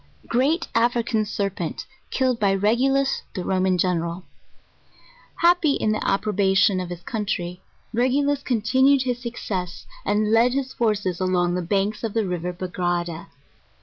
'Great African Serpent, killed by Regulus the Roman Gen eral. Happy in the approbation of his country, Regulus continu ed his success, and led his forces along the banks of the river Bagrada.